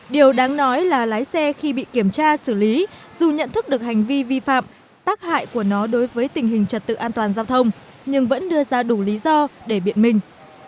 điều đáng nói là lái xe khi bị kiểm tra xử lý dù nhận thức được hành vi vi phạm tác hại của nó đối với tình hình trật tự an toàn giao thông nhưng vẫn đưa ra đủ lý do để biện minh